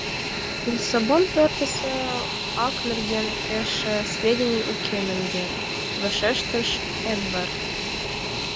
— Лиссабон портысо ак нерген эше сведений уке, менгер, — вашештыш Эдвард.